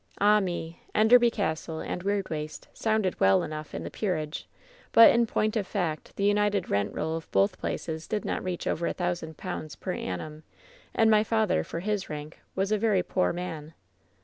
"Ah mel Enderby Castle and Weirdwaste sounded well enough in the peerage, but in point of fact the united rent roll of both places did not reach over a thou sand pounds per annum, and my father, for his rank, was a very poor man.